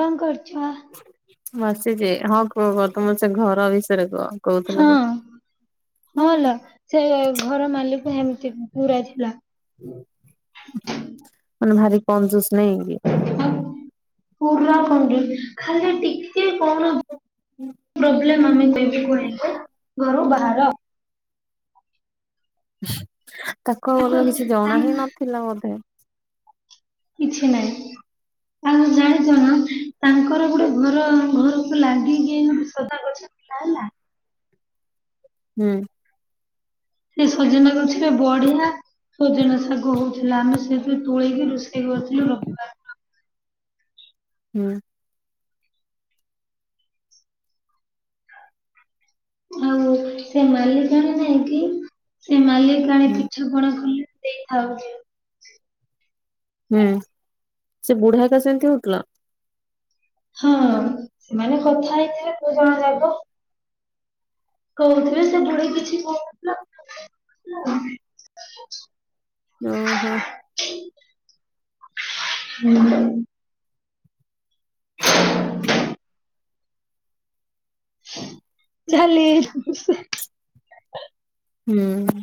କଣ କରୁଛ? ବସିଛି। ହଁ କୁହ। କହ ତମର ସେ ଘର ବିଷୟରେ କୁହ। କହୁଥିଲ ହଁ। ଯୋଉ ହଁ ଲ। ସେ ଘର ମାଲିକ ଏମିତି ପୁରା ଥିଲା। ମାନେ ଭାରି କଜୁଁସ ନାହିଁ କି? ହଁ ପୁରା କାଯୁସୁ ଖାଲି ଟିକେ କଣ ପ୍ରୋବେଲମ୍ ଆମେ ଯଦି କହିବୁ ଘରୁ ବାହାର। ତାକୁ ଅଲଗା କିଛି ଜଣା ହିଁ ନଥିଲା ବୋଧେ। କିଛି ନାହିଁ। ଆଉ ଜାଣିଛନା ତାଙ୍କର ଗୋଟେ ଘର ଘରକୁ ଲାଗିକି ସଦା ଗଛ ନାହି ନା ହୁଁ। ସେ ସଜନା ଗଛ ସେ ବଢିଆ ସଜନା ଶାଗ ହଉଥିଲା ଆମେ ସେଠୁ ତୋଳେଇକି ରୋଷେଇ କରୁଥିଲୁ ରବିବାର ହୁଁ। ଆଉ ସେ ମାଲିକର ନାଇଁ କି? ସେ ମାଲିକାଣି ହୁଁ କିଛି [unintelligible] ଦେଇଥାଉଚେ। ହୁଁ ସେ ବୁଢା ତ ଏକା ସେମିତି ହଉଥିଲା? ହଁ ସେମାନେ କଥା ହେଇଥିଲେ। ଦିଜଣ ଯାଙ୍କ। କହୁଥିଲେ ସେ ବୁଡି କିଛି କହୁନଥିଲା ଓ ହୋ। ହୁଁ। ଚାଲି ଯାଇଛନ୍ତି ସେ। ହୁଁ।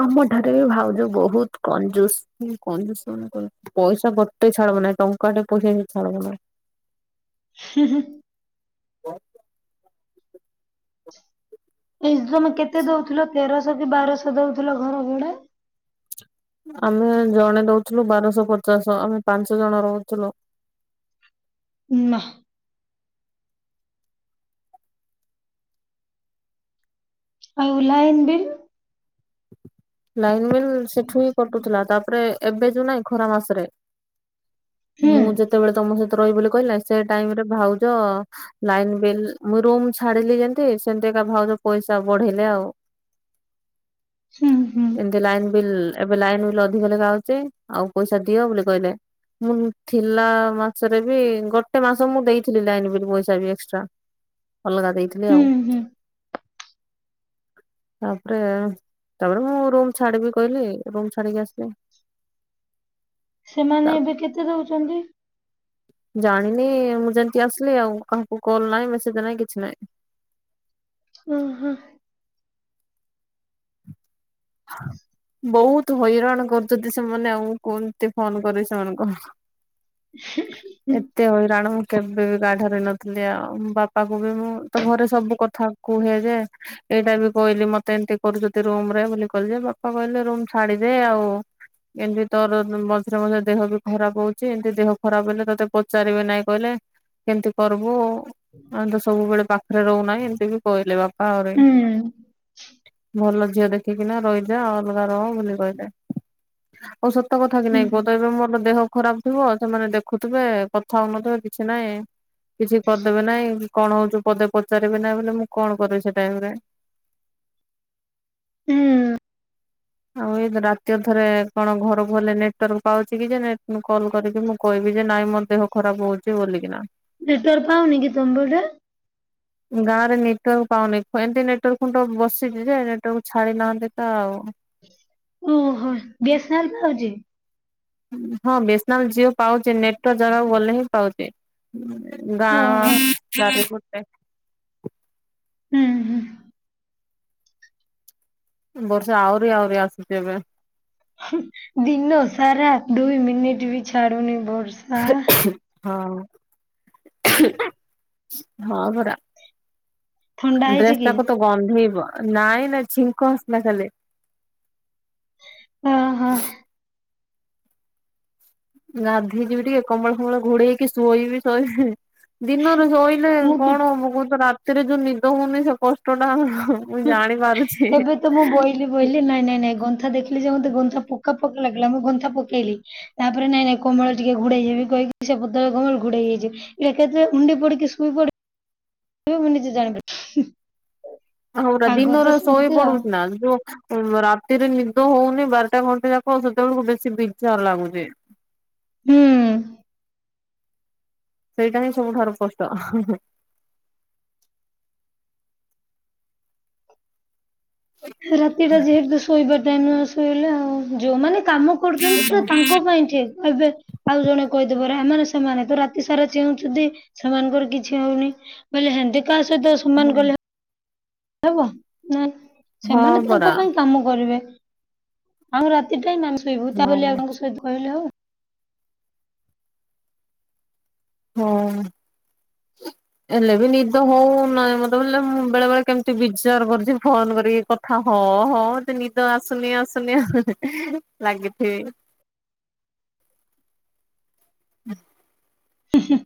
ଆମ ଠାରେ ବି ଭାଉଜ ବହୁତ କଞ୍ଜୁସ୍ କଞ୍ଜୁସ୍ ଗୁଡ଼ାକ। ପଇସା ଗୋଟେ ଛାଡିବନି। ଟଙ୍କାଟେ ପଇସା ବି ଛାଡ଼ିବନି। ହୁଁ ହୁଁ। ଏଇ ତମେ କେତେ ଦଉଥିଲ ତେରଶହ କି ବାରଶହ ଦଉଥିଲ ଘର ଭଡ଼ା? ଆମେ ଜଣେ ଦଉଥିଲୁ ବାରଶହ ପଚାଶ ଆମେ ପାଞ୍ଚ ଜଣ ରହୁଥିଲୁ। ନା। ଆଉ ଲାଇନ୍ ଵିଲି? ଲାଇନବିଲ୍ ସେଠୁ ହିଁ କଟୁଥିଲା ତାପରେ ଏବେ ଯୋଉ ନାହିଁ ଖରା ମାସରେ ହୁଁ ମୁଁ ଯେତେବେଳେ ତମ ସହିତ ରହିବି ବୋଲି କହିଲିନା ସେ ଟାଇମିରେ ଭାଉଜ ଲାଇନ ବିଲ୍ ମୁଁ ରୁମ ଛାଡିଲି ଯେମତି ସେମିତି ଏକା ଭାଉଜ ପଇସା ବଢେଇଲେ ଆଉ। ହୁଁ ହୁଁ। ଏମିତି ଲାଇନି ବିଲ୍ ଏବେ ଲାଇନି ବିଲ୍ ଅଧିକ ଲେଖା ଆଉଛି ଆଉ ପଇସା ଦିଅ ବୋଲି କହିଲେ। ମୁଁ ଥିଲା ମାସରେବି ଗୋଟେ ମାସ ମୁଁ ଦେଇଥିଲି ଲାଇନବିଲ୍ ପଇସାବି ଏକ୍ସଟ୍ରା। ଅଲଗା ଦେଇଥିଲି ହୁଁ ଆଉ ହୁଁ ତାପରେ ତାପରେ ମୁଁ ରୁମ ଛାଡିବି କହିଲି ରୁମ ଛାଡିକି ଆସିଲି। ସେମାନେ ଏବେ କେତେ ଦେଉଛନ୍ତି? ଜାଣିନି ମୁଁ ଯେମୋତି ଆସିଲି ଆଉ କାହାକୁ କଲ୍ ନାହିଁ ମେସେଜ ନାହିଁ କିଛି ନାହିଁ। ହଁ ହିଁ। ବହୁତ ହଇରାଣ କର ଯଦି ସେମାନେ ଆଉ କୁହନ୍ତି ଫୋନ କରି ସେମାନଙ୍କ ଏତେ ହଇରାଣ ମୁଁ କେବେବି କା ଠାରେହୋଇ ନଥିଲି ଆଉ ବାପାକୁବି ମୁଁତ ଘରେ ସବୁ କଥା କୁହେ ଯେ ଏଇଟାବି କହିଲି ମତେ ଏମିତି କରୁଛନ୍ତି ରୁମରେ। ବାପା କହିଲେ ରୁମ ଛାଡିଦେ ଆଉ। ଏମିତି ତୋର ମଝିରେ ମଝିରେ ଦେହ ବି ଖରାପ ହଉଛି ଏମିତି ଦେହ ଖରାପ ହେଲେ ତୋତେ ପଚାରିବେ ନାଇଁ କହିଲେ। କେମିତି କରିବୁ ଆମେତ ସବୁବେଳେ ପାଖରେ ରହୁନାହିଁ ଏମିତିବି କହିଲେ ବାପା ଆହୁରି ହୁଁ ଭଲ ଝିଅ ଦେଖି ଏଇନା ରହିଯା ଆଉ ଅଲଗା ରହ ବୋଲି କହିଲେ ଆଉ ସତ କଥା କି ହୁଁ ନାହିଁ କୁ ତ ଏବେ ମୋର ଦେହ ଖରାପ ଥିବ ସେମାନେ ଦେଖୁଥିବେ କଥା ହଉନଥିବେ କିଛି ନାହିଁ। କିଛି କରିଦେବେ ନାଇଁ କି କଣ ହଉଛିୁ ପଦେ ପଚାରିବେ ନାହିଁ ବେଲେ ମୁଁ କଣ କରିବି ସେ ଟାଇମରେ। ହୁଁ। ଆଉ ଏ ରାତି ଅଧରେ କଣ ଘରକୁ ଗଲେ ନେଟୱାର୍କ ପାଉଛି କି ଯେ ନେଟ ନୁ କଲ କରିକି ମୁଁ। କହିବି ଯେ ନାଇଁ ମୋ ଦେହ ଖରାପ ହଉଛି ବୋଲିକିନା। ନେଟୱାର୍କ ପାଉନିକି ତମପଟେ। ଗାଁରେ ନେଟୱାର୍କ ପାଉନି ଏମିତି ନେଟୱାର୍କ ଖୁଣ୍ଡ ବସିଛିଯେ ନେଟୱାର୍କ ଛାଡି ନାହାନ୍ତିତ ଆଉ। ଓହୋ ବିଏସେନାଲ ପାଉଛି। ହଁ ବିଏସନାଲ ଜିଓ ପାଉଛି ନେଟୱାର୍କ ଜାଗକୁ ଗଲେ ହିଁ ପାଉଛି। ଗାଁ ଓହୋ ଚାରିପଟେ। ହୁଁ ହୁଁ। ବର୍ଷା ଆହୁରିି ଆହୁରି ଆସୁଛି ଏବେ। ଦିିନ ସାରା ଦୁଇ ମିନିଟ ବି ଛାଡୁନି ବର୍ଷା। ହଁ ହଁ ପରା। ଥଣ୍ଡା ହେଇଛି ଡ୍ରେସ କି? ତାକତ ଗନ୍ଧେଇବ ନାଇଁ ନାଇଁ ଛିଙ୍କ ଆସିଲା ଖାଲି। ଓ ହୋ। ଗାଧୋଇ ଯିବି ଟିକେ କମଳ ଫମଳ ଘୋଡେଇ ହେକି ଶୋଇବି ଶୋଇବି ହେଁ। ଦିନରେ ଶୋଇଲେ ମୁଁ ବି କଣ ହବ କହୁଛ ରାତିରେ ଯୋଉ ନିଦ ହଉନି ସେ କଷ୍ଟଟା ହାଁ। ମୁଁ ଜାଣି ପାରୁଛି। ବୋଇଲେ ନାଇଁ ନାଇଁ ନାଇଁ ଗନ୍ଥା ଦେଖିଲି ଯୋ ମତେ ଗନ୍ଥା ପକା ପକା ଲାଗିଲା ମୁଁ ଗନ୍ଥା ପକେଇଲି। ତାପରେ ନାଇଁ ନାଇଁ କମଳ ଟିକେ ଘୋଡେଇହେବି କହିକି ସେ ପତଳା କମଳ ଘୋଡେଇ ହେଇଛି। ଏକାଥରେ ଉଣ୍ଡେ ପଡିିକି ସୁଇ ପଡେ। ଏ ମୁଁ ନିଜେ ଜାଣିବି। ହଉରା ଦିନରେ ସୋଇପଡୁଚ ନା ଜୋ ଏ ଯୋଉ ରାତିରେ ନିଦ ହଉନି ବାରଟା ଘଣ୍ଟେ ଯାକ ସେତେବେଳକୁ ବେଶୀ ବିଜାର ଲାଗୁଛି। ହୁଁ। ସେଇଟା ହିଁ ସବୁଠାରୁ କଷ୍ଟ ହଁ ହଁ। ରାତି ଟା ଯେହେତୁୁ ଶୋଇବା ଟାଇମ ନ ଶୋଇଲେ ଆଉ ଯୋଉ ମାନେ କାମ। କରୁଛନ୍ତି ସେଟା ତାଙ୍କ ପାଇଁ ଠିକ ଏବେ। ଆଉ ଜଣେ କହିଦେବେ ରା ମାନେ ସେମାନେ ତ ରାତି ସାରା ଚେଉଁଛନ୍ତି ସେମାନଙ୍କର କିଛି ହଉନି। ବୋଇଲେ ହେନ୍ତି କାହା ସହିତ ସମାନ କଲେ। ଆଉ କଁ ନାଁ ହଁ ସେମାନେ ପରା ତାଙ୍କ ପାଇଁ କାମ କରିବେ। ଆମେ ରାତି ଟାଇମ୍ ଆମେ ଶୋଇବୁ ହଁ ତା ବୋଲି ଆଉ କାଇଁତେ ସୋଇତେ କହିଲେ ହବ। ହଁ। ହେଲେ ବି ନିଦ ହଉନାହିଁ ମତେ ବେଲେ ମୁଁ ବେଳେ ବେଳେ କେମିତି ବିଜାର କରୁଛି ଫୋନ କରିକି କ ଥା ହଁ ହଁ ତ ନିଦ ଆସୁନି ଆସୁନି ହେଁ ହେଁ ଲାଗିଥିବି। ହ [inaudible] ହୁଁ ହୁଁ।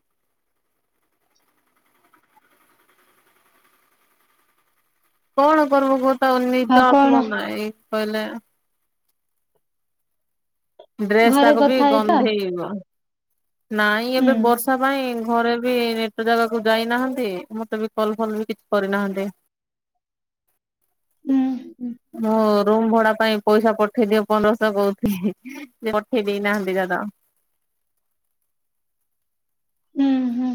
କଣ କରିବୁ ଗୋ ତାକୁ ଆଉ ନିଦ କଣ ଆସିବ ନାଇଁ କହିଲେ। ଡ୍ରେସ୍ ଘରେ ତାକ ବି କଥା ହେଇଥା ଗନ୍ଧେଇବ ନାଇଁ ହୁଁ ଏବେ ବର୍ଷ ବର୍ଷା ପାଇଁ ଘରେ ବି ନେଟ ଜାଗାକୁ ଯାଇନାହାନ୍ତି ମତେ ବି କଲ ଫଲ ବି କିଛି କରିନାହାନ୍ତି। ହୁଁ ମୋ। ରୁମ ଭଡା ପାଇଁ ପଇସା ପଠେଇଦିଅ ପନ୍ଦରଶହ କହୁଥିଲି ପଠେଇ ଦେଇନାହାନ୍ତି ଦାଦା। ହୁଁ ହୁଁ।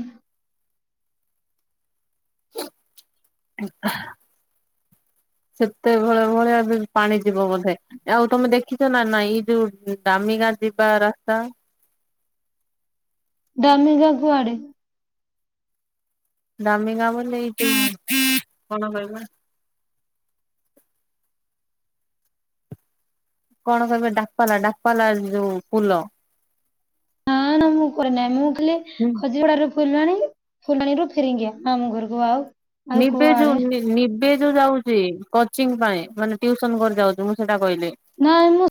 ଏନ୍ତା। ସେତେ ଭଳ ଭଳିଆ ବି ପାଣି ଯିବ ବୋଧେ। ଆଉ ତମେ ଦେଖିଛ ନା ନାଇ ଏଇ ଯୋଉ ଦାମି ଗାଁ ଯିବା ରାସ୍ତା। ଦମି ଗାଁ କୁଆଡେ। ଦାମୀ ଗାଁ ବୋଲି କଣ କହିଲ? କଣ କରିବେ ଡାପାଲା ଡାପାଲା ଯୋଉ ପୁଲ। ନା ନା ମୁଁ କରେ ନାହିଁ ମୁଁ ଖାଲି ହୁଁ। ଖଜିପଡାରୁ ଫୁଲବାଣୀକି, ଫୁଲବାଣୀରୁ ଫେରିଙ୍ଗିଆ ମାମୁଁ ଘରକୁ ଆଉ ଆଉ ନିବେ କୁଆଡେ ଯୋଉ ନି ନିବ। ସେ ଯୋଉ ଯାଉଚି କୋଚିଂ ପାଇଁ ମାନେ ଟିଉସନ କରି ଯାଉଚି, ମୁଁ ସେଇଟା କହିଲି। ନାଇଁ ମୁଁ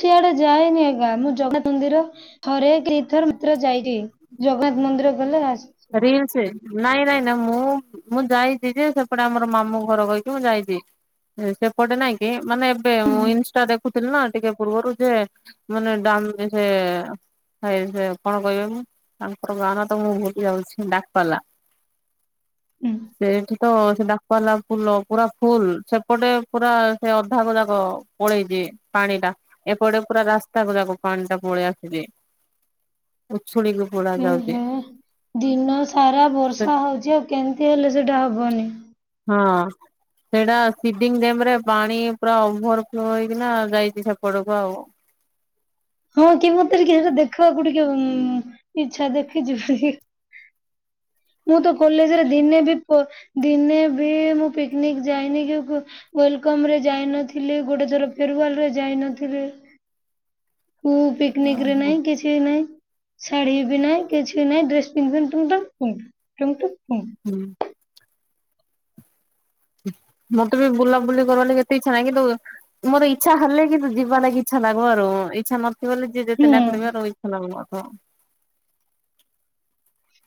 ସିଆଡେ ଯାଏନି ଏକା, ମୁଁ ଜଗନ୍ନାଥ୍ ମନ୍ଦିର ଥରେ କି ଦି ଥର ମାତ୍ର ଯାଏ ଟିକେ ଜଗନ୍ନାଥ ମନ୍ଦିର ଗଲେ ଆସ ରିଲ୍ସ ନାଇଁ ନାଇଁ ନା ମୁଁ ମୁଁ ଯାଇଚି ଯେ, ସେପଟେ ଆମର ମାମୁଁ ଘର କହିକି ମୁଁ ଯାଇଚି। ସେପଟେ ନାଇଁ କିି ମାନେ ଏବେ ମୁଁ ଇନଷ୍ଟା ଦେଖୁଥିଲି ନା ଟିକେ ପୂର୍ବରୁ ଯେ ମାନେ ଡାଉନ୍ କି ସେ [unintelligible] କଣ କହିବେ ମୁଁ ତାଙ୍କର ଗାଁ ନାଁ ତ ମୁଁ ଭୁଲ ଯାଉଛି ଡାପଲା ହୁଁ ସେଇଠି ତ ସେ ଡାପାଲା ଫୁଲ ପୁରା ଫୁଲ୍, ସେପଟେ ପୁରା ସେ ଅଧାଗ ଯାକ। ଓଳେଇ ଦିଏ ପାଣିିଟା। ଏପଟେ ପୁରା ରାସ୍ତାକ ଯାକ ପାଣିଟା ପଳେଇ ଆସିଛି ଉଛୁଳିକୁ। ଖୋଳା ଯାଉଛି। ଦିନସାରା ସେ ବର୍ଷା ହଉଚି ଆଉ କେମିତି ହେଲେ ସେଇଟା ହବନି। ହଁ। ସେଇଟା ସିଡିଙ୍ଗ ଡ୍ୟାମରେ ପାଣି ପୁରା ଓଭର ଫ୍ଲୋ ହେଇକିନା ଯାଇଛି ସେପଟକୁ ଆଉ। ହଁ କି ମତେ ଟିକେ ସେଇଟା ଦେଖିବାକୁ ଟିକେ ଉଁ ଇଛା ଦେଖିଯିବା କି? ମୁଁ ତ କଲେଜରେ ଦିନେ ବି ପ ଦିନେ ବି ମୁଁ ପିକନିକ ଯାଇନି କି ୱେଲକମରେ ଯାଇ ନଥିଲି ଗୋଟେ ଥର ଫେରୱାଲରେ ଯାଇ ନଥିଲି। କୁ ପିକନିକରେ ଓହୋ ନାଇଁ କିଛି କି ନାଇଁ, ଶାଢୀ ବି ନାହିଁ କିଛି ନାଇଁ ଡ୍ରେସ ପିନ୍ଧିବି ଟୁଙ୍ଗ-ଟୁଙ୍ଗ-ଟୁଙ୍ଗ-ଟୁଙ୍ଗ। ହୁଁ। ମତେ ବି ବୁଲାବୁଲି କରିବା ଲାଗି ଏତେ ଇଚ୍ଛା ନାହିଁ କିନ୍ତୁ ମୋର ଇଛା ହେଲେ କିନ୍ତୁ ଯିବା ଲାଗି ଇଚ୍ଛାନା ଗର ଇଚ୍ଛା ନଥି ବୋଲି ଯେ ଯେତେ ହୁଁ ଡାକଲେ ବି ରହିଥା [unintelligible]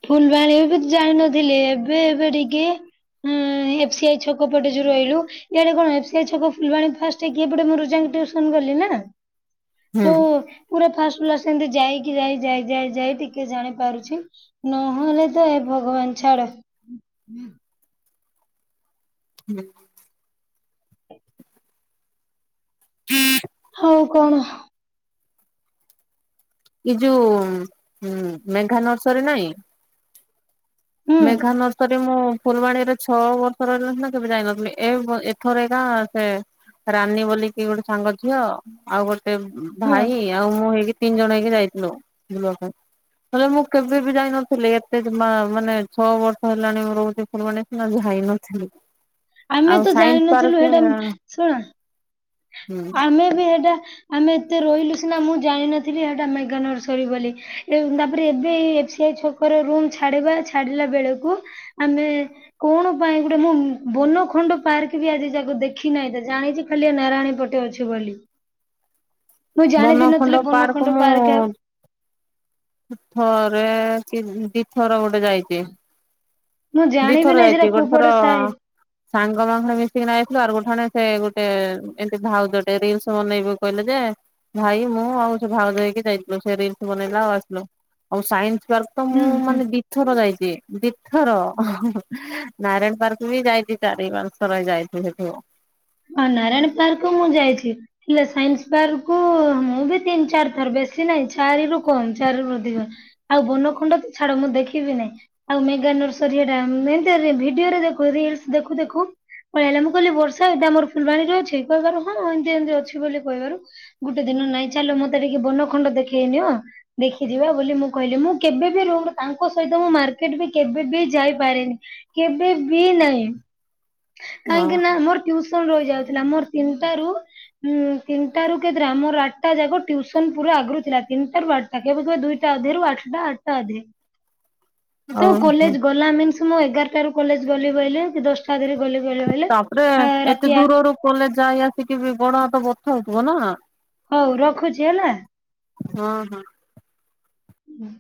ଫୁଲବାଣୀ ବି ଜାଣିିନଥିଲି, ଏବେ ଏବେ ଟିକେ ହୁଁ ଏଫ୍ ସି ଆଇ ଛକ ପଟେ ଯୋଉ ରହିଲୁ ଇଆଡେ କଣ ଏଫ ସି ଆଇ ଛକ ଫୁଲବାଣୀ ଫାଷ୍ଟ ହେଇକି ଏଇପଟେ ମୋର ଯାଇଙ୍କି ଟିଉସନ୍ କଲି ନା। ହୁଁ ତ ପୁରା ଫାଷ୍ଟ ରୁ ଲାଷ୍ଟ ଏମତି ଯାଇକି ଯାଇ-ଯାଇ-ଯାଇ-ଯାଇ ଟିକେ ଜାଣି ପାରୁଛି। ନହେଲେ ତ ଏ ଭଗବାନ ଛାଡ। ହୁଁ। ହଁ ହଉ କଣ? ଏ ଯୋଉ ଉଁ ମେଘା ନର୍ସରୀ ନାଇଁ। ହୁଁ ମେଘା ନର୍ସରୀ ମୁଁ ଫୁଲବାଣୀରେ ଛଅ ବର୍ଷ ରହିଲି ସିନା କେବେ ଯାଇନଥିଲି, ଏ ବ ଏଥର ଏକା ସେ ରାନୀ ବୋଲିକି ଗୋଟେ ସାଙ୍ଗ ଝିଅ ଆଉ ଗୋଟେ ହଁ ଭାଇ ଆଉ ମୁଁ ହେଇକି ତିନି ଜଣ ହେଇକି ଯାଇଥିଲୁ [unintelligible] ହେଲେ ମୁଁ କେବେ ବି ଯାଇ ନଥିଲି ଏତେତ ମାନେ ଛଅ ବର୍ଷ ହେଲାଣି ମୁଁ ରହୁଚି ଫୁଲବାଣୀରେ ସିନା ଯାଇ ନଥିଲି। ଆମେ ଆଉ ତ ସାଇନ୍ସ ଜାଣିନଥିଲୁ ପାର୍କ ସେଇଟା ହୁଁ। ଶୁଣ ଆମେ ବି ସେଟା ଆମେ ଏତେ ରହିଲୁ ସିନା ମୁଁ ଜାଣିନଥିଲି ସେଟା ମେଗା ନର୍ସରୀ ବୋଲି ତାପରେ ଏବେ ଏଫ ସି ଆଇ ଛକରେ ରୁମ୍ ଛାଡ଼ିବା ଅଛି ଛାଡିଲା ବେଳକୁ ଆମେ କଣ ପାଇଁ ଗୋଟେ ମୁଁ ବନ ଖଣ୍ଡ ପାର୍କ ବି ଆଜି ଯାକ ଦେଖି ନାହିଁ ଜାଣିଛି ଖାଲିଆ ନାରାୟଣୀ ପଟ ଅଛି ବୋଲି ମୁଁ ଜାଣିବି ନଥିଲି ବନଖଣ୍ଡ ବନଖଣ୍ଡ ମୁଁ ପାର୍କ ଥରେ କି ଦିଥର ଗୋଟେ ଯାଇଛି। ମୁଁ ଜାଣିବି ଦିଥର ନାହିଁ ସେଟା ଯାଇଛି କୋଉ ଗୋଟେ ଥର ପଟେ ଥାଏ ସାଙ୍ଗ ମାଙ୍ଗେ ମିଶିକି ନାଇଥିଲୁ ଆ ଗୋଟେଣେ ସେ ଗୋଟେ ଏମିତି ଭାଉଜ ଟେ ରିଲସ ବନେଇବୁ କହିଲେ ଯେ ଭାଇ ମୁଁ ଆଉ ସେ ଭାଉଜ ହେଇକି ଯାଇଥିଲୁ ସେ ରିଲିସ ବାନେଇଲା ଆଉ ଆସିଲୁ ଆଉ ସାଇନ୍ସସି ପାର୍କ ତ ହୁଁ ମୁଁ ହୁଁ। ମାନେ ଦି ଦି ଥର ଯାଇଛି ଦିଥର [unintelligible] ନାରାୟଣ ପାର୍କ ବି ଯାଇଛି ଚାରି ପା [unintelligible] ଯାଇଛି ସେଠୁ। ହଁ ନାରାୟଣ ପାର୍କ ମୁଁ ଯାଇଛି। ହେଲେ ସାଇନ୍ସ ପାର୍କୁ ମୁଁ ବି ତିନି ଚାରି ଥର ବେଶୀ ନାହିଁ ଚାରି ରୁ କମ ଚାରିରୁ ଅଧିକ। ଆଉ ବୁନ ଖୁଣ୍ଡ ଛାଡ ମୁଁ ଦେଖିବି ନାହିଁ। ଆଉ ମେଗା ନରସରି ହେଟା ଭିଡିଓରେ ଦେଖ ରିଲସ ଦେଖୁ ଦେଖୁ ପଳେଇ ଆଇଲା ମୁଁ କହିଲି ବର୍ଷା ଏଇଟା ଆମର ଫୁଲବାଣୀରେ ଅଛି କହିବାରୁ ହଁ ଏମିତି ଏମିତି ଅଛି ବୋଲି କହିବାରୁ। ଗୋଟେ ଦିନ ନାଇଁ ଚାଲ ମତେ ଟିକେ ବନ ଖଣ୍ଡ ଦେଖେଇନିଅ। ଦେଖିଯିବା ବୋଲି ମୁଁ କହିଲି ମୁଁ କେବେବି ତାଙ୍କ ସହିତ ମୁଁ ମାର୍କେଟ ବି କେବେ ବି ଯାଇପାରେନି। କେବେ ବି ନାହିଁ ହଁ କାହିଁକି ନା ମୋର ଟିଉ ରହି ଯାଉଥିଲା ମୋର ତିନିଟା ରୁ ହୁଁ ତିନିଟା ରୁ କେତେଟା ମୋର ଆଠଟା ଯାକ ଟ୍ୟୁସନ ପୁରା ଆଗରୁ ଥିଲା ତିନିଟା ରୁ ଆର [unintelligible] ଦୁଇଟା ଅଧେରୁ ଆଠଟା ଆଠଟା ଅଧେ। ତୁ ଓହୋ। କଲେଜ ଗଲା ମିନ୍ସ ମୁଁ ଏଗାରଟା ରୁ କଲେଜ ଗଲି ବଇଲେ ଦଶଟା ଧ [unintelligible] ତାପରେ ଆ ରାତିରେ ଏତେ ଦୂରରୁ କଲେ ଯାଇ ଆସିକି ବି ବଡ ହାତ ବଥା ହଉଥିବ ନା। ହଉ ରଖୁଛି ହେଲା। ହଁ ହଁ। ହୁଁ।